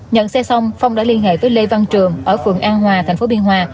nhận xe xong phong đã liên hệ với lê văn trường ở phường an hòa tp biên hòa